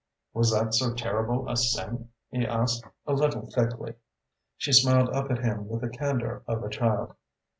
"Was that so terrible a sin?" he asked, a little thickly. She smiled up at him with the candour of a child.